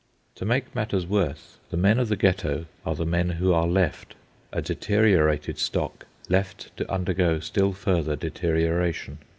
To make matters worse, the men of the Ghetto are the men who are left—a deteriorated stock, left to undergo still further deterioration.